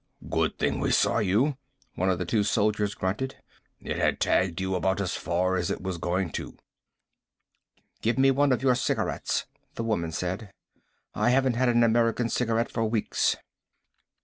"Good thing we saw you," one of the two soldiers grunted. "It had tagged you about as far as it was going to." "Give me one of your cigarettes," the woman said. "I haven't had an American cigarette for weeks."